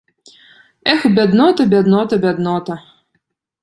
Эх, бяднота, бяднота, бяднота!